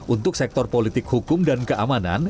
untuk sektor politik hukum dan keamanan